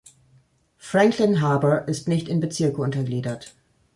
Franklin Harbour ist nicht in Bezirke untergliedert.